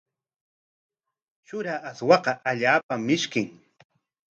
Shura aswaqa allaapam mishkin.